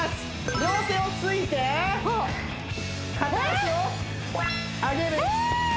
両手をついて片足を上げるええ！？